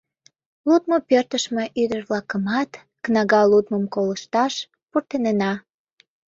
Лудмо пӧртыш ме ӱдыр-влакымат кнага лудмым колышташ пуртынена.